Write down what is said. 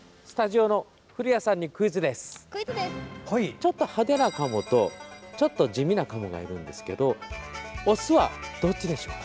ちょっと派手なカモとちょっと地味なカモがいるんですけどオスはどっちでしょうか？